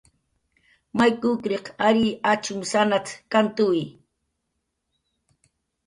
"May kukriq ary achumsanat"" kantuwi"